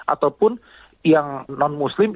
ataupun yang non muslim